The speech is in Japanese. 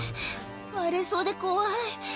割れそうで怖い。